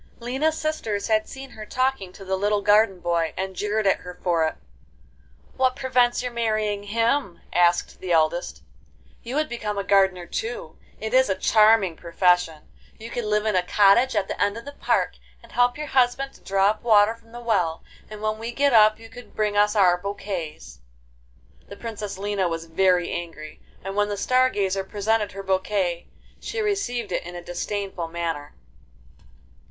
XII Lina's sisters had seen her talking to the little garden boy, and jeered at her for it. 'What prevents your marrying him?' asked the eldest, 'you would become a gardener too; it is a charming profession. You could live in a cottage at the end of the park, and help your husband to draw up water from the well, and when we get up you could bring us our bouquets.' The Princess Lina was very angry, and when the Star Gazer presented her bouquet, she received it in a disdainful manner.